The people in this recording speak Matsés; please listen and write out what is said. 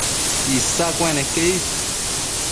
Isa cueneque is